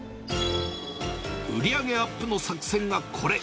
売り上げアップの作戦がこれ。